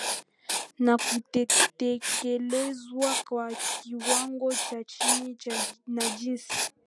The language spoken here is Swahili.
na kutekelezwa kwa kiwango cha chini na jinsi